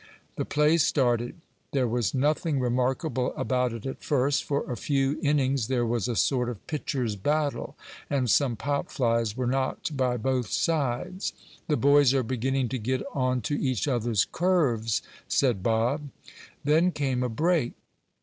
The play started. There was nothing remarkable about it at first. For a few innings there was a sort of pitchers' battle, and some pop flies were knocked by both sides. "The boys are beginning to get on to each other's curves," said Bob. Then came a break.